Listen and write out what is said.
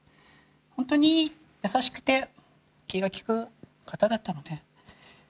本当に優しくて気が利く方だったので。